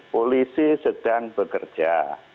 polisi sedang bekerja